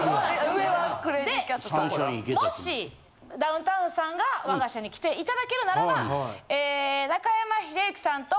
でもしダウンタウンさんが我が社に来て頂けるならばえ。